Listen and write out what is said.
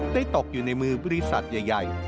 ตกอยู่ในมือบริษัทใหญ่